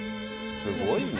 すごいな。